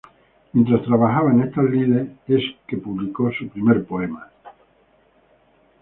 Mientras trabajaba en estas lides es que publicó su primer poema.